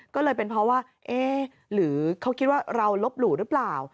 ก็เลยเป็นเพราะว่าเอ๊ะหรือเขาคิดว่าเราลบหลู่หรือเปล่า